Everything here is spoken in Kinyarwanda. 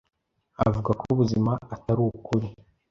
avuga ko abazimu atari ukuri.